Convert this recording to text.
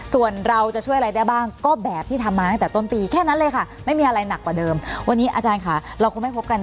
สวัสดีค่ะ